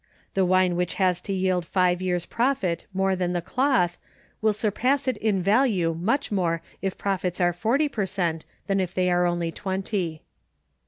The wine which has to yield five years' profit more than the cloth will surpass it in value much more if profits are forty per cent than if they are only twenty.